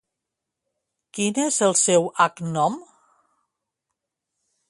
Quin és el seu agnom?